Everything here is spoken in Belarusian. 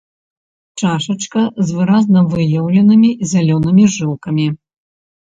Чашачка з выразна выяўленымі зялёнымі жылкамі.